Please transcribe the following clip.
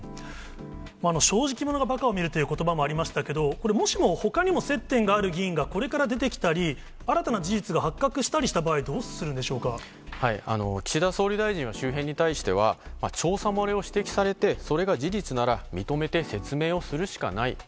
正直者がばかを見るということばもありましたけど、これ、もしも、ほかにも接点がある議員がこれから出てきたり、新たな事実が発覚したりした場合、どうす岸田総理大臣は、周辺に対しては、調査漏れを指摘されて、それが事実なら、認めて説明をするしかない。